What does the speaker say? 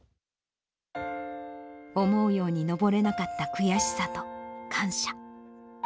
思うように登れなかった悔しさと感謝。